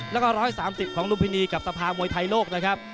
แล้วก็๑๓๐ของลุมพินีกับสภามวยไทยโลกนะครับ